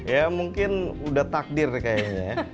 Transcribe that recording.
ya mungkin udah takdir kayaknya ya